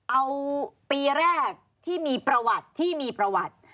เอาปีแรกที่มีประวัติที่มีประวัติ